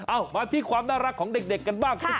เอามาที่ความน่ารักของเด็กกันบ้าง